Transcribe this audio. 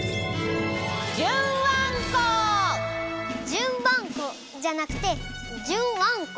じゅんばんこじゃなくてじゅんわんこ？